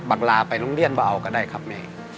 ลาไปโรงเรียนว่าเอาก็ได้ครับแม่